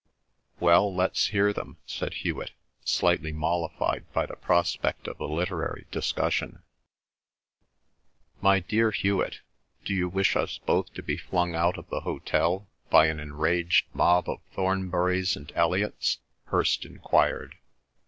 "Well, let's hear them," said Hewet, slightly mollified by the prospect of a literary discussion. "My dear Hewet, do you wish us both to be flung out of the hotel by an enraged mob of Thornburys and Elliots?" Hirst enquired.